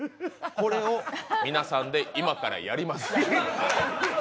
これを皆さんで今からやります。